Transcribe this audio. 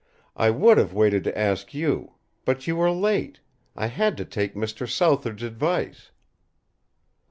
I would have waited to ask you. But you were late. I had to take Mr. Southard's advice."